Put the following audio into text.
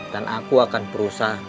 dan aku akan berusaha